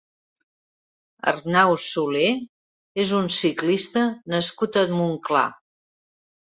Arnau Solé és un ciclista nascut a Montclar.